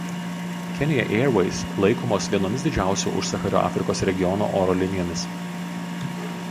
Kenya Airways laikomos vienomis didžiausių Užsachario Afrikos regiono oro linijomis.